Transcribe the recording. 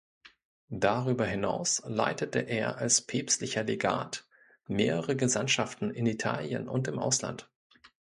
Darüber hinaus leitete er als päpstlicher Legat mehrere Gesandtschaften in Italien und im Ausland.